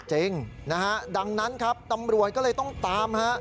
จริงนะฮะดังนั้นครับตำรวจก็เลยต้องตามฮะ